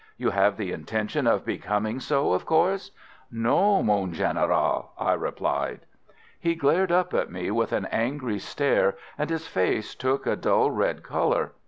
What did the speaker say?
You have the intention of becoming so, of course?" "No, mon Général," I replied. He glared up at me with an angry stare, and his face took a dull red colour.